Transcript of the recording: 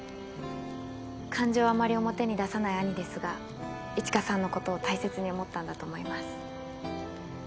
感情をあまり表に出さない兄ですが一華さんのことを大切に思ったんだと思います。